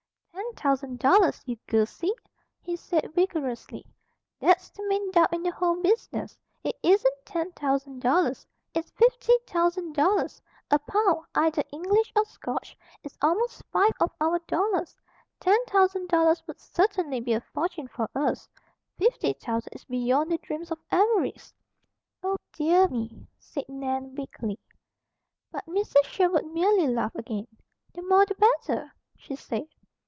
"Ten thousand dollars, you goosey!" he said vigorously. "That's the main doubt in the whole business. It isn't ten thousand dollars. It's fifty thousand dollars! A pound, either English or Scotch, is almost five of our dollars. Ten thousand dollars would certainly be a fortune for us; fifty thousand is beyond the dreams of avarice." "Oh, dear me!" said Nan weakly. But Mrs. Sherwood merely laughed again. "The more the better," she said.